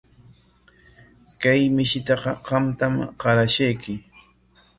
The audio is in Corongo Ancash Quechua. Kay mishitaqa qamtam qarashqayki.